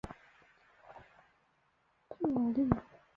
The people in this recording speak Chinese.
屈佩尔利。